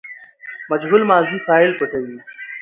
مجهول ماضي فاعل پټوي.